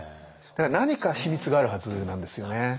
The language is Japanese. だから何か秘密があるはずなんですよね。